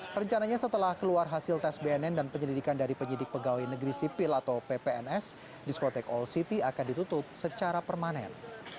rencananya setelah keluar hasil tes bnn dan penyelidikan dari penyidik pegawai negeri sipil atau ppns diskotek all city akan ditutup secara permanen